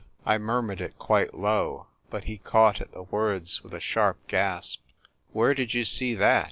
I murmured it quite low ; but he caught at the words with a sharp gasp. " Where did you see that